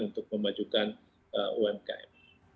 untuk memajukan umkm